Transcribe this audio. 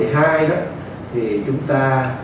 thì chúng ta